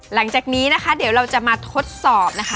หลังจากนี้เดี๋ยวเราจะมาทดสอบ